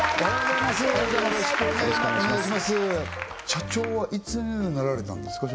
社長はいつなられたんですか？